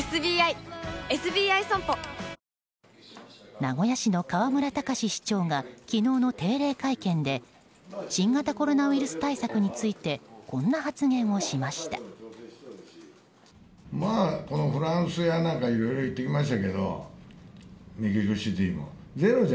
名古屋市の河村たかし市長が昨日の定例会見で新型コロナウイルス対策についてこんな発言をしました。